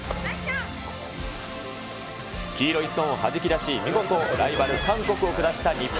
黄色いストーンをはじき出し、見事ライバル、韓国を下した日本。